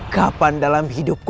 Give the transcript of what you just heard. kapan dalam hidupmu